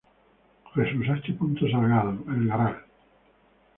Jesús H. Salgado, el Gral.